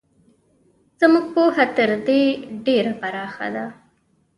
زموږ پوهه تر دې ډېره پراخه ده.